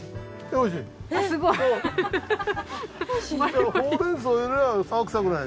おいしい。